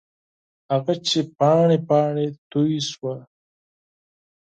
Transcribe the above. هغه چې پاڼې، پاڼې توی شوه